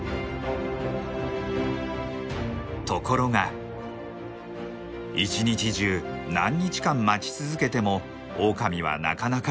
ところが一日中何日間待ち続けてもオオカミはなかなか現れません。